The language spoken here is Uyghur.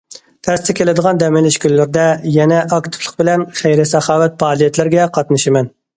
تەستە كېلىدىغان دەم ئىلىش كۈنلىرىدە، يەنە ئاكتىپلىق بىلەن خەير- ساخاۋەت پائالىيەتلىرىگە قاتنىشىمەن.